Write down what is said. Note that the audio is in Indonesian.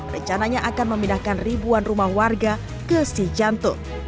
rencananya akan memindahkan ribuan rumah warga ke sijantung